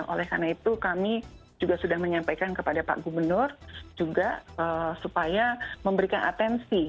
oleh karena itu kami juga sudah menyampaikan kepada pak gubernur juga supaya memberikan atensi